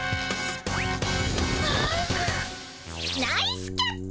ナイスキャッチ。